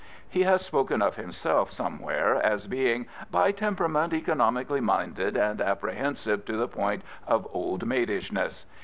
He has spoken of himself somewhere as being " by temperament economically minded and apprehensive to the point of old maidishness.'